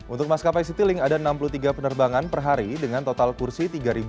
untuk maskapai citilink ada enam puluh tiga penerbangan per hari dengan total kursi tiga tiga ratus empat puluh delapan